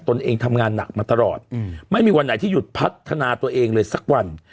ตัวเองทำงานหนักมาตลอดไม่มีวันไหนที่หยุดพัฒนาตัวเองเลยสักวัน